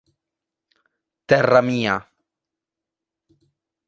Terra mia